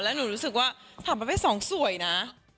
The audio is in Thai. แล้วหนูรู้สึกว่าถามประเภทสองสวยนะ